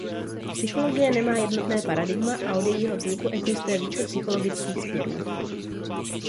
Psychologie nemá jednotné paradigma a od jejího vzniku existuje více psychologických směrů.